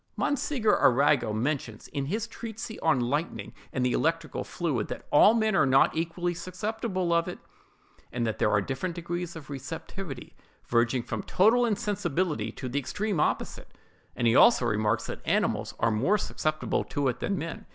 Monsieur Arago mentions, in his treatise on lightning and the electrical fluid, that all men are not equally susceptible of it, and that there are different degrees of receptivity, verging from total insensibility to the extreme opposite; and he also remarks that animals are more susceptible to it than men.